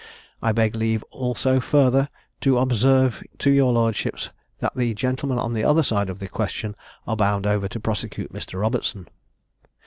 I beg leave also further to observe to your lordships, that the gentlemen on the other side of the question are bound over to prosecute Mr. Robertson."